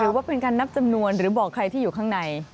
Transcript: หรือว่าเป็นการนับจำนวนหรือบอกใครที่อยู่ข้างใน